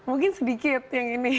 mungkin sedikit yang ini